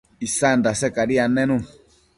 isan dase cadi annenun